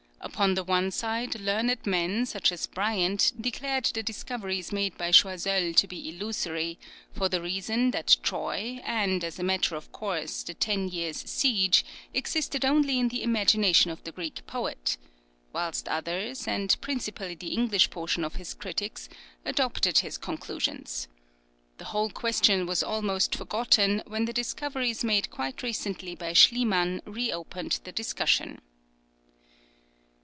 Upon the one side learned men, such as Bryant, declared the discoveries made by Choiseul to be illusory, for the reason that Troy, and, as a matter of course, the Ten Years Siege, existed only in the imagination of the Greek poet; whilst others, and principally the English portion of his critics, adopted his conclusions. The whole question was almost forgotten, when the discoveries made quite recently by Schliemann reopened the discussion.